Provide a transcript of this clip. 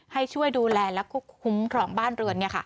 ให้ช่วยดูแลและคุ้มของบ้านเรือนนี่ค่ะ